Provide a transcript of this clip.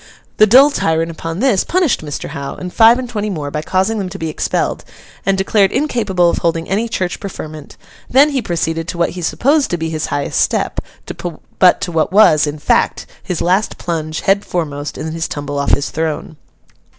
The dull tyrant, upon this, punished Mr. Hough, and five and twenty more, by causing them to be expelled and declared incapable of holding any church preferment; then he proceeded to what he supposed to be his highest step, but to what was, in fact, his last plunge head foremost in his tumble off his throne.